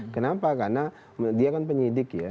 kenapa karena dia kan penyidik ya